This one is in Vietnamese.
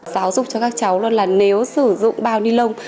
giáo dục cho các cháu luôn là nếu sử dụng bao ni lông